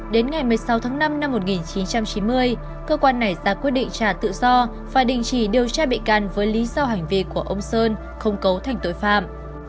đến ngày một mươi sáu tháng năm năm một nghìn chín trăm chín mươi cơ quan này ra quyết định trả tự do và đình chỉ điều tra bị can với lý do hành vi của ông sơn không cấu thành tội phạm